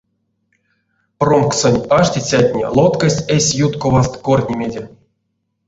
Промкссонть аштицятне лоткасть эсь ютковаст кортнемеде.